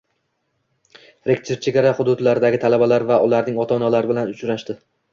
Rektor chegara hududlardagi talabalar va ularning ota-onalari bilan uchrashdi